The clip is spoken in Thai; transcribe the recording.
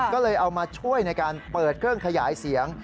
ก็เลยเอามาช่วยในการเปิดเครื่องขยายเสียง